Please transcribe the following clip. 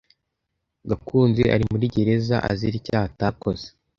Gakunzi ari muri gereza azira icyaha atakoze.